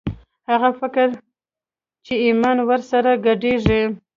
هغه فکر چې ایمان ور سره ګډېږي